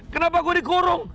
kenapa gua dikurung